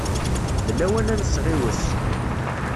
D lawan ad nesɣiwes.